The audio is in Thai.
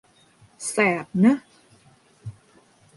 แสบเนอะ